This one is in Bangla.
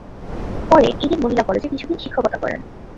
পরে ইডেন মহিলা কলেজে কিছুদিন শিক্ষকতা করেন।